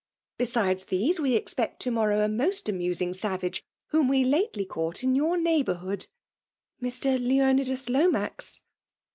Besides these, we expect to mor TOW a most amusing savage whom we lately caught in your neighbourhood '' Mr. Leonidas Lomax?''